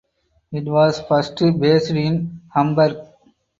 It was first based in Hamburg.